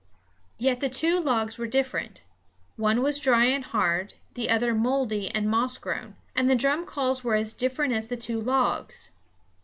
Yet the two logs were different; one was dry and hard, the other mouldy and moss grown; and the drumcalls were as different as the two logs.